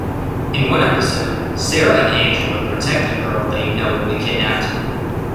In one episode, Sarah and Angela protect a girl they know will be kidnapped.